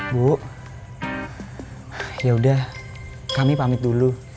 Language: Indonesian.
bu yaudah kami pamit dulu